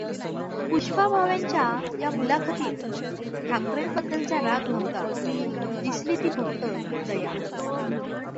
पुष्पा भावेंच्या या मुलाखतीत ठाकरेंबद्दलचा राग नव्हता, दिसली ती फक्त दया.